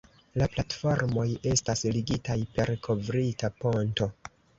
La platformoj estas ligitaj per kovrita ponto.